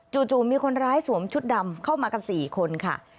จู่มีคนร้ายสวมชุดดำเข้ามากัน๔คนค่ะ